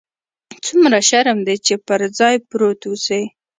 څومره شرم دى چې پر ځاى پروت اوسې.